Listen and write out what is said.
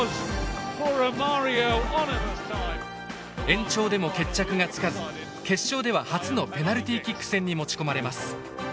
延長でも決着がつかず決勝では初のペナルティキック戦に持ち込まれます。